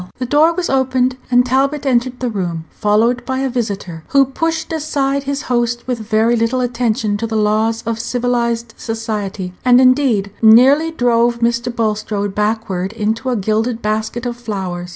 The door was opened, and Talbot entered Page 156 the room, followed by a visitor, who pushed aside his host with very little attention to the laws of civilized society, and, indeed, nearly drove Mr. Bulstrode backward into a gilded basket of flowers.